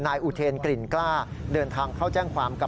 อุเทนกลิ่นกล้าเดินทางเข้าแจ้งความกับ